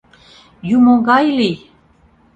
— Юмо гай лий...